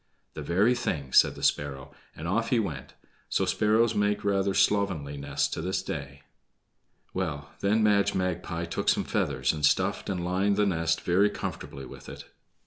"The very thing!" said the sparrow, and off he went; so sparrows make rather slovenly nests to this day. Well, then Madge Magpie took some feathers and stuff and lined the nest very comfortably with it.